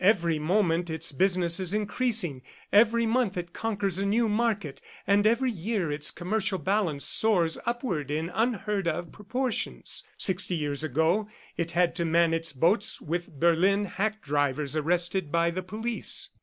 Every moment its business is increasing, every month it conquers a new market and every year its commercial balance soars upward in unheard of proportions. Sixty years ago, it had to man its boats with Berlin hack drivers arrested by the police.